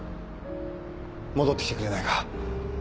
戻ってきてくれないか？